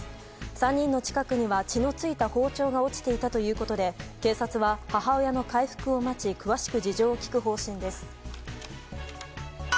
３人の近くには血の付いた包丁が落ちていたということで警察は母親の回復を待ち詳しく事情を聴く方針です。